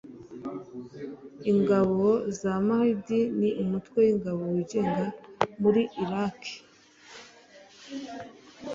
Ingabo za Mahdi ni umutwe w'ingabo wigenga muri Iraki.